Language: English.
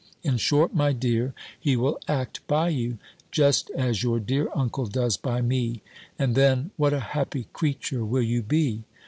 In short, my dear, he will act by you, just as your dear uncle does by me: and then, what a happy creature will you be!"